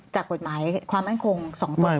จากกฎหมายความมั่นคง๒ตัว